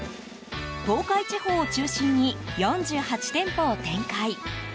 東海地方を中心に４８店舗を展開。